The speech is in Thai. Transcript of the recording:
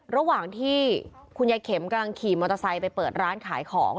ระหว่างที่คุณยายเข็มกำลังขี่มอเตอร์ไซค์ไปเปิดร้านขายของ